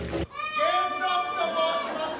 源六と申します。